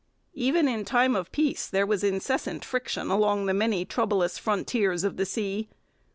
Even in time of peace there was incessant friction along the many troublous frontiers of the sea.